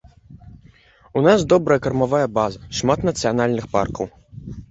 У нас добрая кармавая база, шмат нацыянальных паркаў.